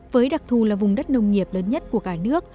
với đặc thù là vùng đất nông nghiệp lớn nhất của cả nước